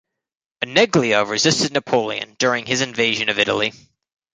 Oneglia resisted Napoleon during his invasion of Italy.